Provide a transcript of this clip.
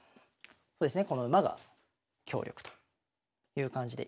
そうですねこの馬が強力という感じで。